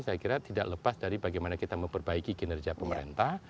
saya kira tidak lepas dari bagaimana kita memperbaiki kinerja pemerintah